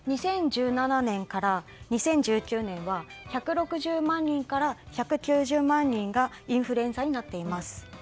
２０１７年から２０１９年は１６０万人から１９０万人がインフルエンザになっています。